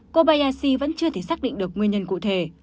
kobayashi vẫn chưa thể xác định được nguyên nhân cụ thể